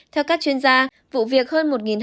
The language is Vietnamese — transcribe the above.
theo các chuyên gia vụ việc hơn một tỷ đồng